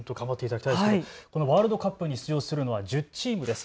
このワールドカップに出場するのは１０チームです。